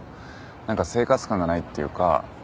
何か生活感がないっていうか。